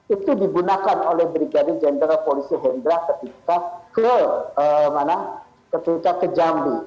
itu digunakan oleh brigadir jenderal polisi hendra ketika ke jambi